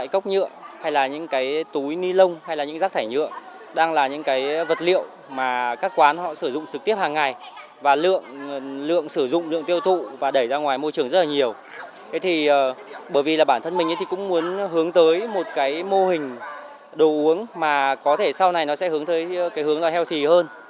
có thể sau này nó sẽ hướng tới cái hướng là healthy hơn